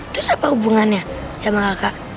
terus apa hubungannya sama kakak